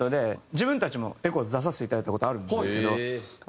自分たちもＥＣＨＯＥＳ出させていただいた事あるんですけど。